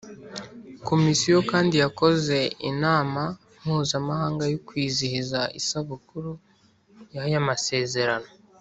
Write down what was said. Komisiyo kandi yakoze inama mpuzamahanga yo kwizihiza isabukuru ya y Amasezerano